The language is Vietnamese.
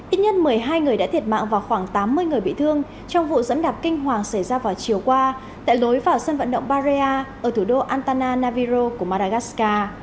ít nhất một mươi hai người đã thiệt mạng và khoảng tám mươi người bị thương trong vụ dẫm đạp kinh hoàng xảy ra vào chiều qua tại lối vào sân vận động barea ở thủ đô antana naviro của madagascar